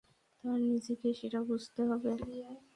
তার নিজেকেই সেটা বুঝতে হবে।